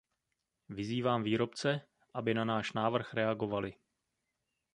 Vyzývám výrobce, aby na náš návrh reagovali.